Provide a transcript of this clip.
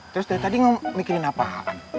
terus dari tadi mikirin apaan